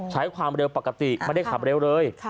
ใช้ความเร็วปกติไม่ได้ขับเร็วเลย